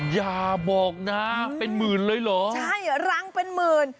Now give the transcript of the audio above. อย่าบอกนะเป็นหมื่นเลยเหรอใช่รังเป็นหมื่น